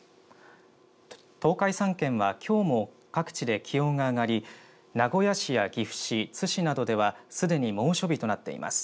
東海３県はきょうも各地で気温が上がり名古屋市や岐阜市、津市などではすでに猛暑日となっています。